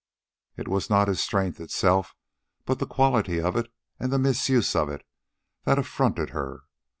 It was not his strength itself, but the quality of it and the misuse of it, that affronted her.